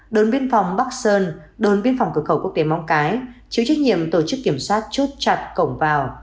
đồn biên phòng bắc sơn đồn biên phòng cửa khẩu quốc tế mong cái chịu trách nhiệm tổ chức kiểm soát chốt chặt cổng vào